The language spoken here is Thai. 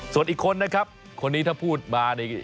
ส่วนอีกคนนะครับคนนี้ถ้าพูดมานี่